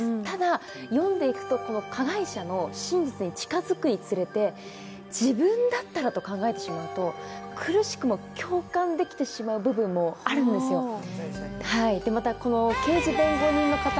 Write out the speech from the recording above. ただ、読んでいくと加害者の真実に近づくにつれて、自分だったらと考えてしまうと苦しくも共感できてしまう部分もあるんですよ。